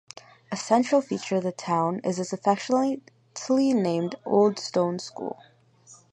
A central feature of the town is its affectionately named Old Stone School.